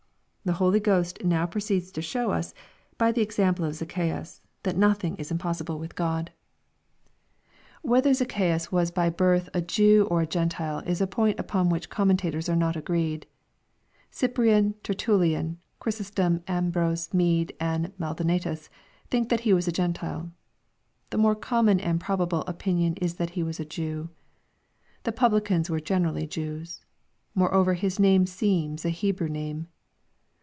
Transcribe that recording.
The Holy Ghost I now proceeds to show us, by the example of Zacchaeus, that noth , ing is impossible with God. i LUKB, CHAP. XIX. 295 Whether Zacchaeus was by birtih a Jew or a Q entile, is a point upon which commentators are not agreed. Cyprian, Tertullian, Chrysostom, Ambrose, Bode, and Maldonatus, think that he was a G entile. — The more common and probable opinion is that he was a Jew. The publicans were generally Jews. Mcreover, his name seems a Hebrew name.